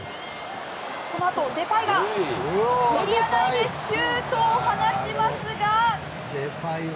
このあとデパイがエリア内でシュートを放ちますが。